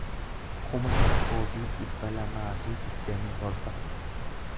kuma tokkoo fi dhibba lamaa fi digdamii torba